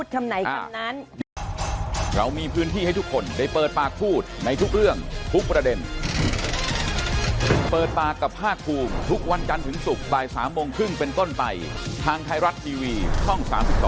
ฉันเป็นคนพูดคำไหนคำนั้น